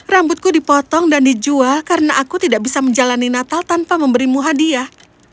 rambutku dipotong dan dijual karena aku tidak bisa menjalani natal tanpa memberimu hadiah